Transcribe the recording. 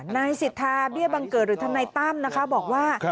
นายสิทธาเบี้ยบังเกิดหรือทนายตั้มนะคะบอกว่า